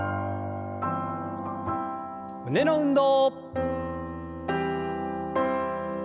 胸の運動。